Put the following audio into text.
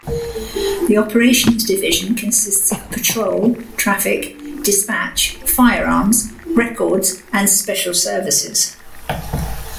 The Operations Division consists of Patrol, Traffic, Dispatch, Firearms, Records and Special Services.